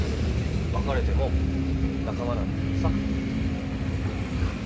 別れても仲間なんだからさ。